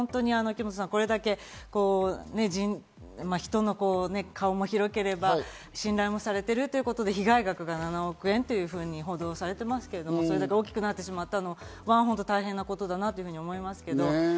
木本さん、これだけ顔も広ければ、信頼もされてるっていうことで、被害額が７億円と報道されてますけど、それほど大きくなってしまったのは大変なことだなと思います。